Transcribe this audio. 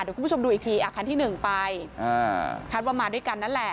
เดี๋ยวคุณผู้ชมดูอีกทีคันที่๑ไปคาดว่ามาด้วยกันนั่นแหละ